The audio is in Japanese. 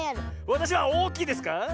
わたしはおおきいですか？